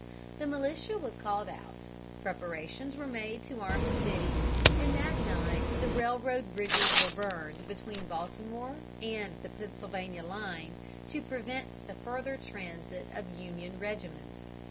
The militia was called out, preparations were made to arm the city, and that night the railroad bridges were burned between Baltimore and the Pennsylvania line to prevent the further transit of Union regiments.